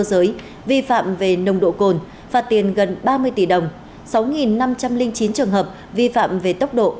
giới vi phạm về nồng độ cồn phạt tiền gần ba mươi tỷ đồng sáu năm trăm linh chín trường hợp vi phạm về tốc độ